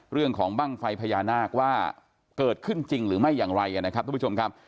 เรื่องของบ้างไฟพญานาคว่าเกิดขึ้นจริงหรือไม่อย่างไรนะครับทุกผู้ชมครับ